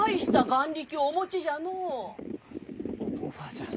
おおばあちゃん。